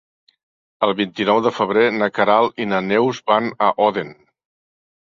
El vint-i-nou de febrer na Queralt i na Neus van a Odèn.